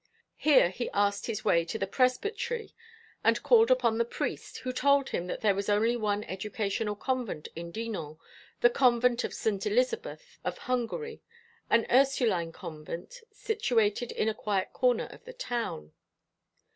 Here he asked his way to the presbytery, and called upon the priest, who told him that there was only one educational convent in Dinan, the Convent of St. Elizabeth of Hungary, an Ursuline convent situated in a quiet quarter of the town.